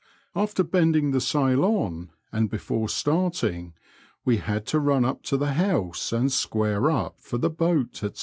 After bending the sail on, and before starting, we had to run up to the house and "square up" for the boat, &c.